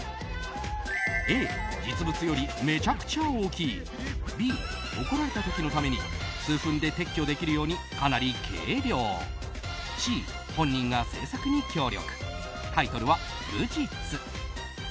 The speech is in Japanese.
Ａ、実物よりめちゃくちゃ大きいＢ、怒られた時のために数分で撤去できるようにかなり軽量Ｃ、本人が制作に協力タイトルは「無実」。